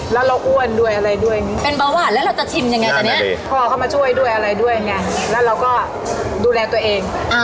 แล้วเราก็ดูแลตัวเอง